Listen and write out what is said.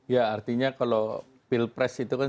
ya artinya kalau pilpres itu kan